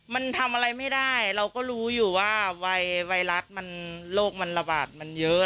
มันทำอะไรไม่ได้เราก็รู้อยู่ว่าไวรัสมันโรคมันระบาดมันเยอะ